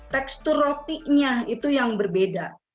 tekstur rotinya itu yang berbeda